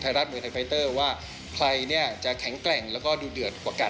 รัฐมวยไทยไฟเตอร์ว่าใครเนี่ยจะแข็งแกร่งแล้วก็ดูเดือดกว่ากัน